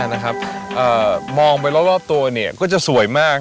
นะครับเอ่อมองไปรอบรอบตัวเนี่ยก็จะสวยมาก